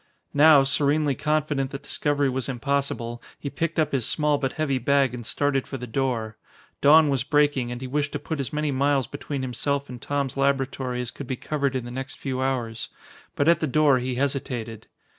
Now, serenely confident that discovery was impossible, he picked up his small but heavy bag and started for the door. Dawn was breaking and he wished to put as many miles between himself and Tom's laboratory as could be covered in the next few hours. But at the door he hesitated.